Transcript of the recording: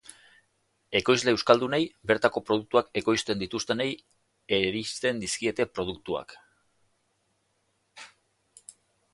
Ekoizle euskaldunei, bertako produktuak ekoizten dituztenei eristen dizkiete produktuak.